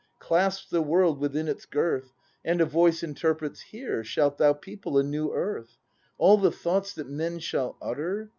Clasps the world within its girth. And a voice interprets : Here Shalt thou people a new earth! All the thoughts that men shall utter.